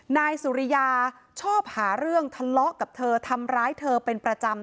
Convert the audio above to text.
นายสุริยาชอบหาเรื่องทะเลาะกับเธอทำร้ายเธอเป็นประจำ